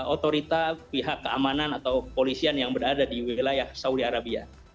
otorita pihak keamanan atau kepolisian yang berada di wilayah saudi arabia